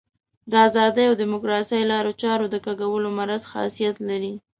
د ازادۍ او ډیموکراسۍ لارو چارو د کږولو مریض خاصیت لري.